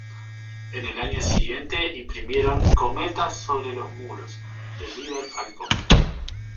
Al año siguiente imprimieron "Cometas sobre los muros" de Líber Falco.